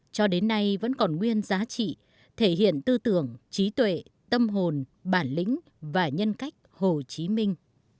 cho đến nay vẫn còn nguyên giá trị thể hiện tư tưởng trí tuệ tâm hồn bản lĩnh và nhân cách hồ chí minh